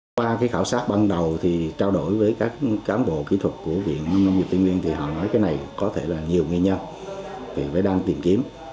qua khảo sát ban đầu trao đổi với các cán bộ kỹ thuật của huyện nông nghiệp tình nguyên họ nói cái này có thể là nhiều nguyên nhân phải đang tìm kiếm